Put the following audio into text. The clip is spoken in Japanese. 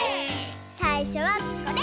さいしょはこれ！